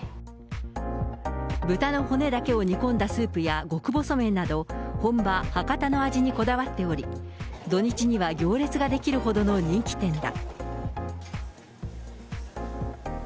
豚の骨だけを煮込んだスープや極細麺など、本場、博多の味にこだわっており、土日には行列が出来るほどの人気店だ。